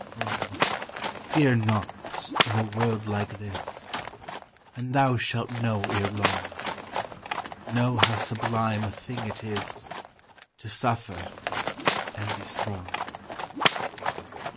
Oh, fear not in a world like this, And thou shalt know ere long, Know how sublime a thing it is To suffer and be strong.